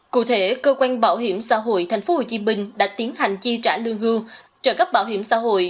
cụ thể cơ quan bảo hiểm xã hội tp hcm đã tiến hành chi trả lương hưu trợ cấp bảo hiểm xã hội